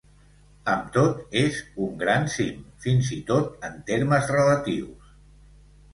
Amb tot, és un gran cim, fins i tot en termes relatius.